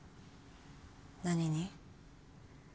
何に？